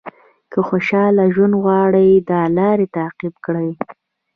که خوشاله ژوند غواړئ دا لارې تعقیب کړئ.